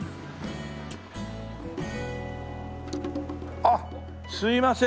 あっすいません。